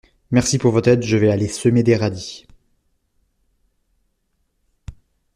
Merci pour votre aide, je vais aller semer des radis.